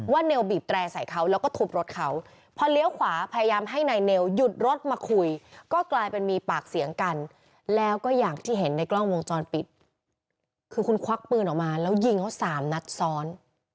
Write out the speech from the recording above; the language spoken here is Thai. คือคุณควักปืนออกมาแล้วยิงเขาสามนัดซ้อน